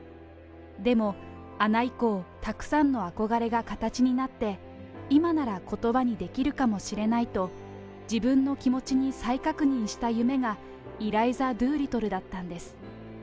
でもアナ以降、たくさんの憧れが形になって、今ならことばにできるかもしれないと、自分の気持ちに再確認した夢が、イライザ・ドゥーリトルだったんです。